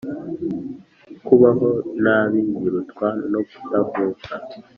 kubaho nabi birutwa no kutavuka